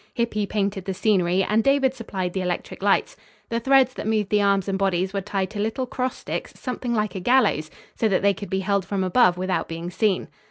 Hippy painted the scenery and David supplied the electric lights. The threads that moved the arms and bodies were tied to little cross sticks something like a gallows, so that they could be held from above without being seen."